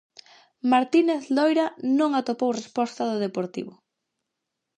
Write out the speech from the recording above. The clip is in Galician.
Martínez Loira non atopou resposta do Deportivo.